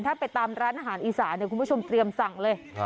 ถ้าไปตามร้านอาหารอีสานคุณผู้ชมเตรียมสั่งเลย